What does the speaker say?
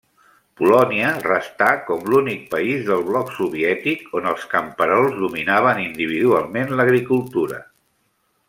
Polònia restà com l'únic país del bloc soviètic on els camperols dominaven individualment l'agricultura.